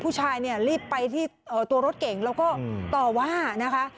ผู้ชายเนี่ยรีบไปที่ตัวรถเก่งแล้วก็ต่อว่านะคะ